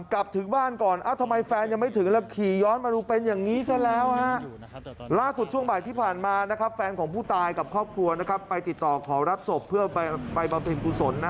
กลับถึงบ้านก่อนอ่ะทำไมแฟนยังไม่ถึง